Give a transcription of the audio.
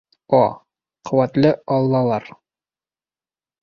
О, ҡеүәтле аллалар!